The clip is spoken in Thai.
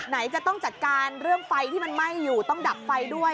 ไหนจะต้องจัดการเรื่องไฟที่มันไหม้อยู่ต้องดับไฟด้วย